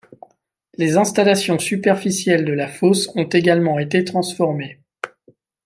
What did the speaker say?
Les installations superficielles de la fosse ont également été transformées.